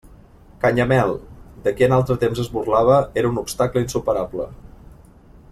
Canyamel, de qui en altre temps es burlava, era un obstacle insuperable.